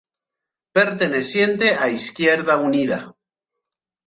Perteneciente a Izquierda Unida.